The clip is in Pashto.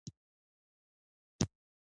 د دواړو ملتونو لپاره.